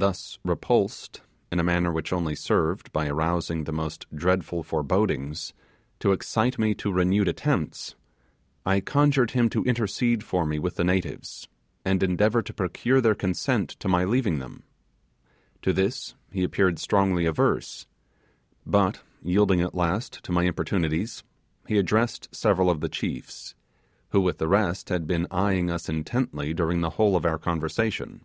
Thus repulsed, in a manner which only served, by arousing the most dreadful forebodings, to excite me to renewed attempts, I conjured him to intercede for me with the natives, and endeavour to procure their consent to my leaving them. To this he appeared strongly averse; but, yielding at last to my importunities, he addressed several of the chiefs, who with the rest had been eyeing us intently during the whole of our conversation.